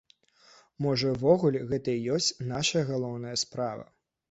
Можа, увогуле, гэта і ёсць нашая галоўная справа.